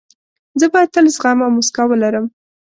زه باید تل زغم او موسکا ولرم.